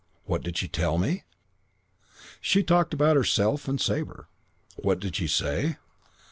"What did she tell me? She talked about herself and Sabre. What did she say?